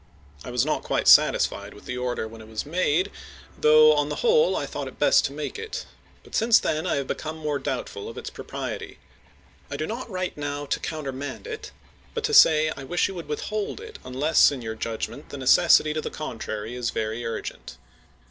I was not quite satisfied with the order when it was made, though on the whole I thought it best to make it ; but since then I have become more doubtful of its propriety. I do not write now to countermand it, but to say I wish you would withhold it, unless in your judgment the necessity to the contrary is very urgent.